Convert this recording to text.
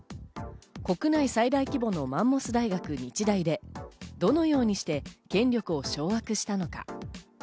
国内最大規模のマンモス大学・日大で、どのようにして権力を掌握したのか。